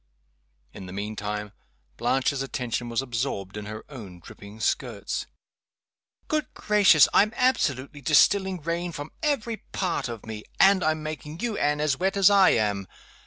In the mean time Blanche's attention was absorbed in her own dripping skirts. "Good gracious! I'm absolutely distilling rain from every part of me. And I'm making you, Anne, as wet as I am!